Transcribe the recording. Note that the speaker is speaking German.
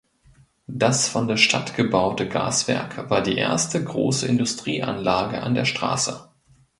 Das von der Stadt gebaute Gaswerk war die erste grosse Industrieanlage an der Strasse.